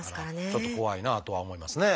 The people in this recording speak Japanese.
ちょっと怖いなとは思いますね。